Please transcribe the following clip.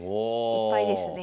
いっぱいですね。